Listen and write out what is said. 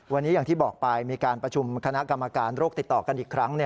วันนี้อย่างที่บอกไปมีการประชุมคณะกรรมการโรคติดต่อกันอีกครั้ง